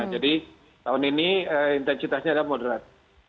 jadi tahun ini intensitasnya adalah moderat